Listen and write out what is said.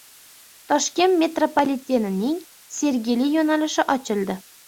Toshkent metropolitenining Sergeli yo‘nalishi ochildi